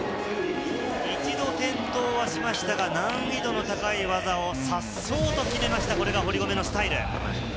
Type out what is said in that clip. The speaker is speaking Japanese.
一度、転倒はしましたが、難易度の高い技をさっそうと決めました、堀米のスタイル。